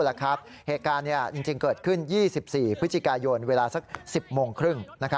เหตุการณ์จริงเกิดขึ้น๒๔พฤศจิกายนเวลาสัก๑๐โมงครึ่ง